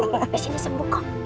habis ini sembuh kok